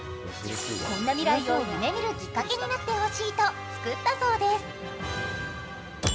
こんな未来を夢見るきっかけになってほしいと作ったそうです。